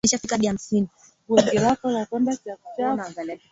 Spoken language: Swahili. Jacob alijitahidi kuficha mshangao wake maana alionekana kama mjukuu wa mzee Makame